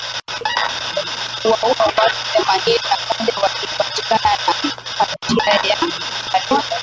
kuwaua watu themanini na moja waliopatikana na hatia ya uhalifu